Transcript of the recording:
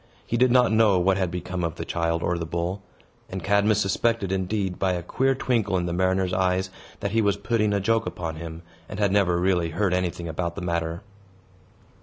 He did not know what had become of the child or the bull; and Cadmus suspected, indeed, by a queer twinkle in the mariner's eyes, that he was putting a joke upon him, and had never really heard anything about the matter.